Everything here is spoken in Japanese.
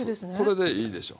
これでいいでしょ。